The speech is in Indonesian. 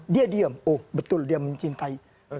dia diam oh betul dia mencintai